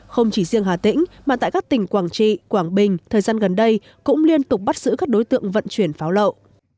không chỉ riêng hà tĩnh mà tại các tỉnh quảng trị quảng bình thời gian gần đây cũng liên tục bắt giữ các đối tượng vận chuyển pháo lậu